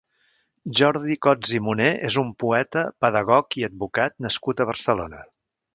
Jordi Cots i Moner és un poeta, pedagog i advocat nascut a Barcelona.